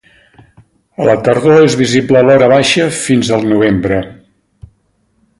A la tardor és visible a l'horabaixa fins al novembre.